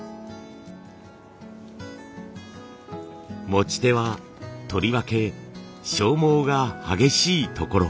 持ち手はとりわけ消耗が激しいところ。